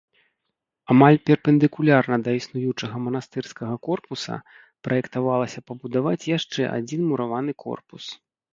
Амаль перпендыкулярна да існуючага манастырскага корпуса праектавалася пабудаваць яшчэ адзін мураваны корпус.